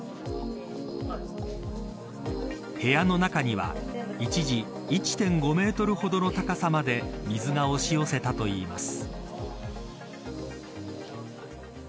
部屋の中には一時１．５メートルほどの高さまで水が押し寄せたといいます。